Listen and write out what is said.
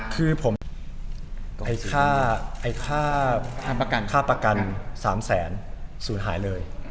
คือผมไอ้ค่าประกัน๓แสนศูนย์หายเลย